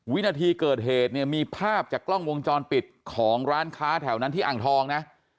วินาทีเกิดเหตุเนี่ยมีภาพจากกล้องวงจรปิดของร้านค้าแถวนั้นที่อ่างทองนะ